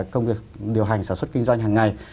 công việc điều hành sản xuất kinh doanh hàng ngày